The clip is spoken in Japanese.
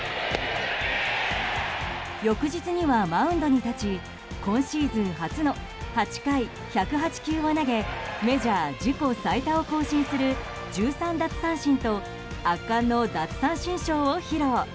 翌日にはマウンドに立ち今シーズン初の８回１０８球を投げメジャー自己最多を更新する１３奪三振と圧巻の奪三振ショーを披露。